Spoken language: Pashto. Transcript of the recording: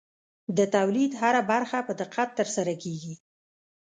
د تولید هره برخه په دقت ترسره کېږي.